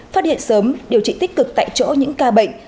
phát hiện sớm điều trị tích cực tại chỗ những ca bệnh